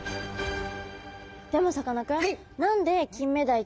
でもさかなクン